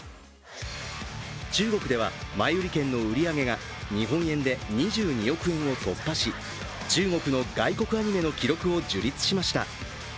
中国では前売り券の売り上げが日本円で２２億円を突破し中国の外国アニメの記録を樹立しました。